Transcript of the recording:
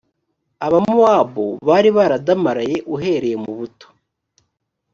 abamowabu bari baradamaraye uhereye mu buto